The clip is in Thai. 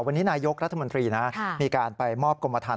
วันนี้นายกรัฐมนตรีนะมีการไปมอบกรมฐาน